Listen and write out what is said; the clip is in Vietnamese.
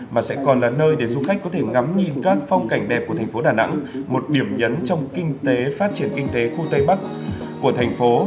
mà sẽ còn là nơi để du khách có thể ngắm nhìn các phong cảnh đẹp của thành phố đà nẵng một điểm nhấn trong kinh tế phát triển kinh tế khu tây bắc của thành phố